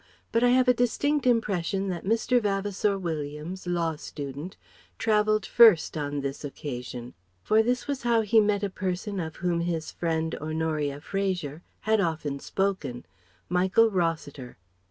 But I have a distinct impression that Mr. Vavasour Williams, law student, travelled "first" on this occasion: for this was how he met a person of whom his friend, Honoria Fraser, had often spoken Michael Rossiter.